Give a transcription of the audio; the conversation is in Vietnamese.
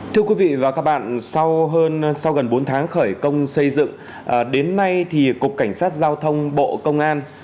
thưa quý vị và các bạn sau hơn sau gần bốn tháng khởi công xây dựng đến nay thì cục cảnh sát giao thông bộ công an